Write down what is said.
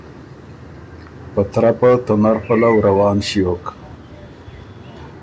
په ترپه ته نر پلؤ روان ݭیوک